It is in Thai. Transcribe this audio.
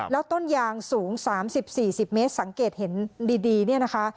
แล้วต้นยางสูง๓๐๔๐เมตรสังเกตเห็นดีเนี่ยนะคะ